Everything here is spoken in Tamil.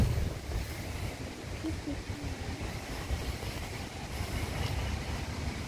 அதனால் அவர்களுக்குப் புத்துயிரும் புதிய தைரியமும் உண்டாயின.